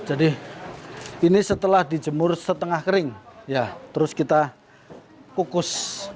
hai jadi ini setelah dijemur setengah kering ya terus kita kukus